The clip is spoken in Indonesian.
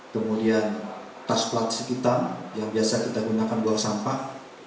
kemudian tas plastik hitam yang biasa kita gunakan buang sampah